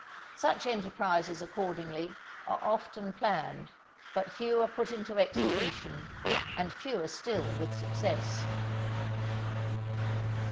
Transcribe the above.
Such enterprises, accordingly, are often planned, but few are put into execution, and fewer still with success.